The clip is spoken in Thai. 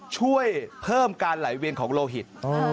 ช่วยเพิ่มการไหลเวียนของโลหิต